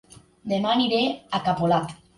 Dema aniré a Capolat